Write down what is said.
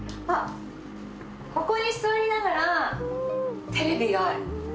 あっここに座りながらテレビが。